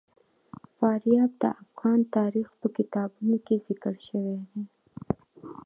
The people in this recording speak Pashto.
فاریاب د افغان تاریخ په کتابونو کې ذکر شوی دي.